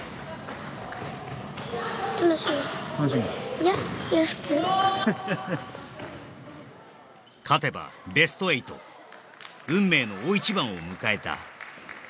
いやいや普通フフフ勝てばベスト８運命の大一番を迎えた